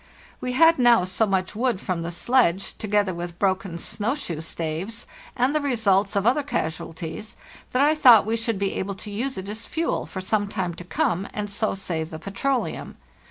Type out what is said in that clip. "We had now so much wood from the sledge, to gether with broken snow shoe staves and the results of other casualties, that I thought we should be able to use it as fuel for some time to come, and so save the petro leum.